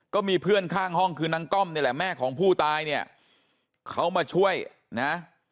ก็มีเพื่อนข้างห้องคือนางก้อมนี่แหละแม่ของผู้ตายเนี่ยเขามาช่วยนะ